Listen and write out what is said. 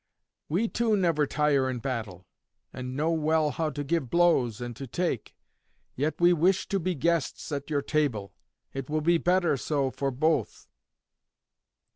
We too never tire in battle, and know well how to give blows and to take. Yet we wish to be guests at your table; it will be better so for both."